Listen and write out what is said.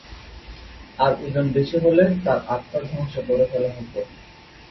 আর ওজন বেশি হলে তার আত্মা ধ্বংস করে ফেলা হত।